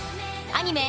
アニメ